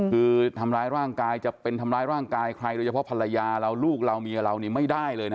คือทำร้ายร่างกายจะเป็นทำร้ายร่างกายใครโดยเฉพาะภรรยาเราลูกเราเมียเรานี่ไม่ได้เลยนะ